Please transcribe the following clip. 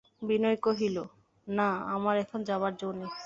বিনয় কহিল, না, আমার এখন যাবার জো নেই।